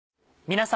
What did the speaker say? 皆様。